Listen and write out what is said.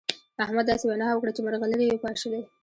احمد داسې وينا وکړه چې مرغلرې يې وپاشلې.